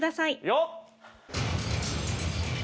よっ！